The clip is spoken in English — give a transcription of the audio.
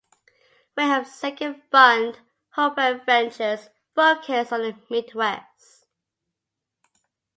Wilhelm's second fund, Hopewell Ventures, focused on the Midwest.